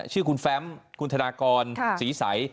ชื่อคุณแฟมคุณธนากรศรีใส